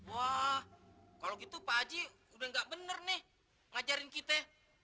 wah kalau gitu pak haji udah gak bener nih ngajarin kita